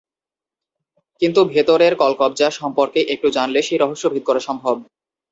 কিন্তু ভেতরের কলকবজা সম্পর্কে একটু জানলে সেই রহস্য ভেদ করা সম্ভব।